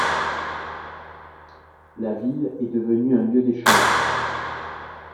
La ville est devenue un lieu d'échange.